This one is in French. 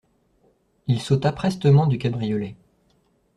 Il sauta prestement du cabriolet.